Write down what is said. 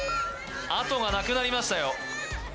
あとがなくなりましたよ